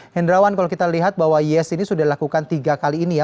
hendrawan kalau kita lihat bahwa yes ini sudah dilakukan tiga kali ini ya